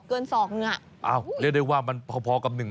คือความยาวอย่างนี้นะเกิน๑ฟุตน่ะยาวเท่า๒เกิน๒นึงอ่ะ